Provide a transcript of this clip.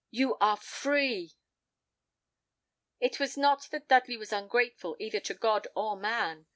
You are free." It was not that Dudley was ungrateful either to God or man.